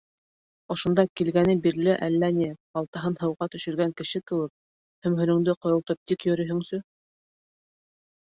Ошонда килгәне бирле әллә ни, балтаһын һыуға төшөргән кеше кеүек, һөмһөрөңдө ҡойолтоп тик йөрөйһөңсө.